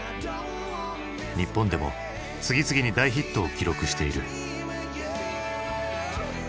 日本でも次々に大ヒットを記録している。